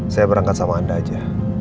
saya berangkat sama anda aja